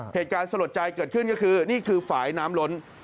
เหตุการณ์สลดใจเกิดขึ้นก็คือนี่คือฝ่ายน้ำล้น